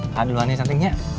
kak duluan nih cantiknya